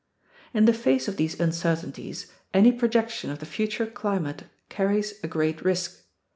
In the face of these uncertainties, any projection of the future climate carries a great risk.